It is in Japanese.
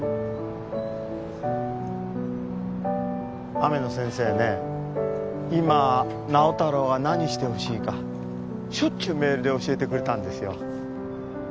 雨野先生ね今直太朗が何してほしいかしょっちゅうメールで教えてくれたんですよ。